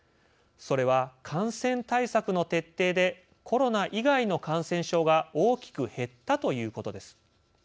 それは感染対策の徹底でコロナ以外の感染症が大きく減ったということです。